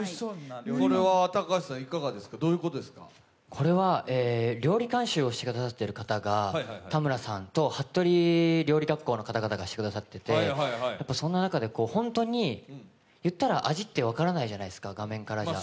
これは、料理監修をしてくださってる方が田村さんと服部料理学校の方々がしてくださっていて、そんな中で、本当に、言ったら味って分からないじゃないですか、画面からは。